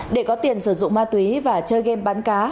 để có tiền sử dụng ma túy và chơi game bán cá